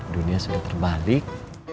dunia sudah terbalik